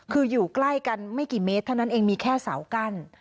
คืออยู่ใกล้กันไม่กี่เมตรเท่านั้นเองมีแค่เสากั้น